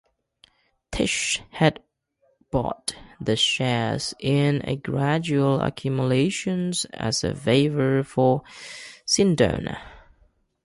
Tisch had bought the shares in a gradual accumulation as a favor for Sindona.